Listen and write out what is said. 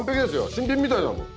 新品みたいだもん。